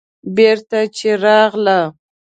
بېرته چې راغله.